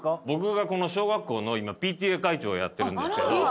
僕がこの小学校の今ＰＴＡ会長をやってるんですけど。